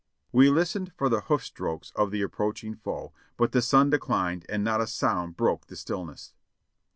We listened for the hoof strokes of the approaching foe, but the sun declined and not a sound broke the stillness.